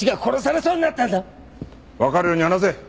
わかるように話せ。